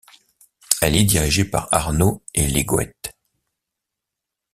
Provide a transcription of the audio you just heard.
Elle est dirigée par Arnaud Elégoët.